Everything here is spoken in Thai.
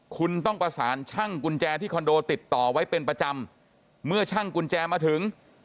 คุณต้องประสานช่างกุญแจที่คอนโดติดต่อไว้เป็นประจำเมื่อช่างกุญแจมาถึง